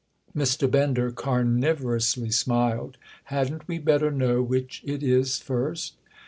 Mr. Bender carnivorously smiled. "Hadn't we better know which it is first?"